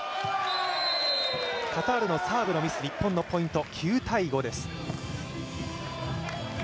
カタールのサーブのミス、日本のポイント。